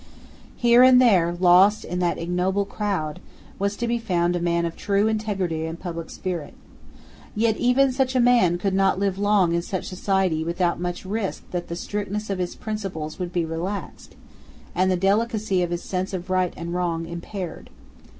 Here and there, lost in that ignoble crowd, was to be found a man of true integrity and public spirit. Yet even such a man could not long live in such society without much risk that the strictness of his principles would be relaxed, and the delicacy of his sense of right and wrong impaired.